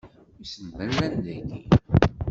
Wissen ma llan dagi?